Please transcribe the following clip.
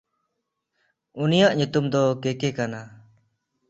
ᱩᱱᱤᱭᱟᱜ ᱧᱩᱛᱩᱢ ᱫᱚ ᱠᱮᱠᱮ ᱠᱟᱱᱟ᱾